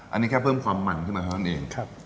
อันนี้แค่เพิ่มความมันขึ้นมาเท่านั้นเอง